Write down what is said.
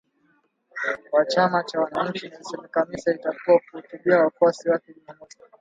wa chama cha wananchi Nelson Chamisa alitakiwa kuhutubia wafuasi wake Jumamosi